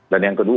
dan yang kedua